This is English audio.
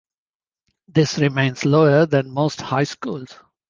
This remains lower than most high schools.